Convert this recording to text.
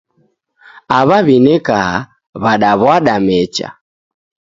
Awa w'inekaha w'adaw'ada mecha.